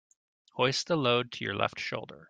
Hoist the load to your left shoulder.